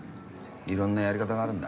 いろんなやり方があるんだ。